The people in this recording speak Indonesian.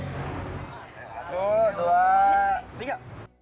satu dua tiga